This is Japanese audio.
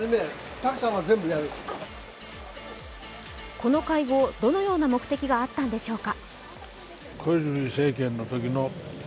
この会合、どのような目的があったんでしょうか？